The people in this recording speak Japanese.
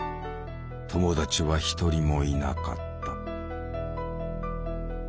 友達は一人もいなかった。